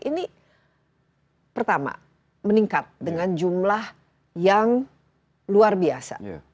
ini pertama meningkat dengan jumlah yang luar biasa